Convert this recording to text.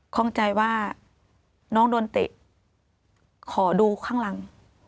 ข้องใจว่าน้องโดนเตะขอดูข้างหลัง